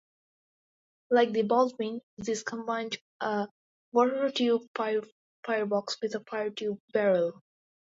Like the Baldwin, this combined a water-tube firebox with a fire-tube barrel.